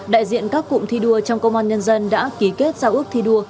đại diện các cụm thi đua trong công an nhân dân đã ký kết giao ước thi đua